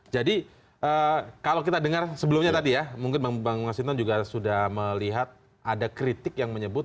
jadi kalau kita dengar sebelumnya tadi ya mungkin bang mas hinton juga sudah melihat ada kritik yang menyebut